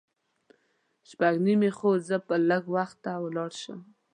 شپږ نیمې خو زه به لږ وخته لاړ شم.